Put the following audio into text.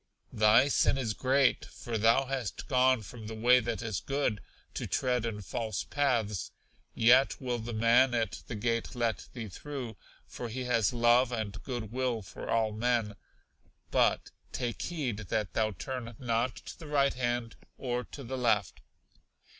Thy sin is great, for thou hast gone from the way that is good, to tread in false paths, yet will the man at the gate let thee through, for he has love and good will for all men; but take heed that thou turn not to the right hand or to the left.